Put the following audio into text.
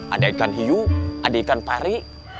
ada ikan hiu ada ikan pari